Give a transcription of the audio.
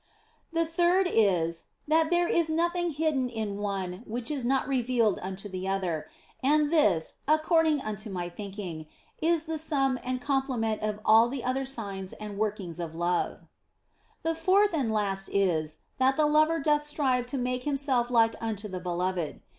The third is, that there is nothing hidden in one which is not revealed unto the other ; and this (according unto my thinking) is the sum and complement of all the other signs and workings of love. 138 THE BLESSED ANGELA The fourth and last is, that the lover doth strive to make himself like unto the beloved.